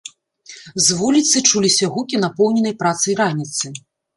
З вуліцы чуліся гукі напоўненай працай раніцы.